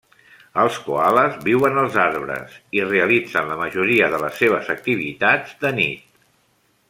Els coales viuen als arbres i realitzen la majoria de les seves activitats de nit.